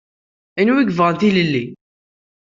Anwa i yebɣan tilelli?